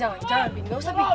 jalan bi gausah bi